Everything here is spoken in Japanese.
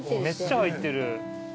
めっちゃ入ってる。